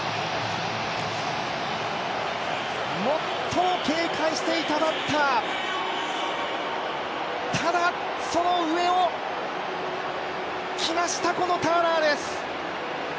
最も警戒していたバッター、ただ、その上を来ました、このターナーです。